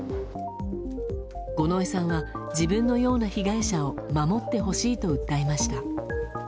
五ノ井さんは自分のような被害者を守ってほしいと訴えました。